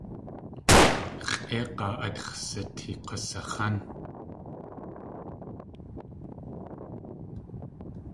Xʼéig̲aa átx̲ sitee k̲usax̲án.